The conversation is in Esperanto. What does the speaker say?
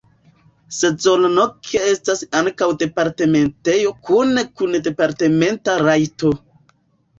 Szolnok estas ankaŭ departementejo kune kun departementa rajto.